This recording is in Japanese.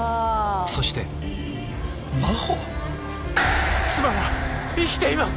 そして真帆⁉妻は生きています！